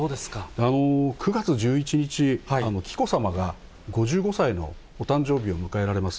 ９月１１日、紀子さまが５５歳のお誕生日を迎えられます。